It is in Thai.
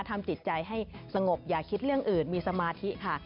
ทำจิตใจให้สงบอย่าคิดเรื่องอื่นมีสมาธิค่ะ